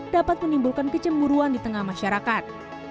dapat menimbulkan kecemburuan di tengah masyarakat